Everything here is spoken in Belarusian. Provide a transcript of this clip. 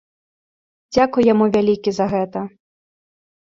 Дзякуй яму вялікі за гэта.